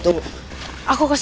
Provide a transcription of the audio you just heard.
ada peng stairs di christiansi